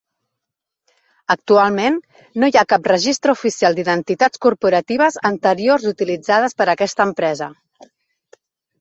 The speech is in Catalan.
Actualment, no hi ha cap registre oficial d'identitats corporatives anteriors utilitzades per aquesta empresa.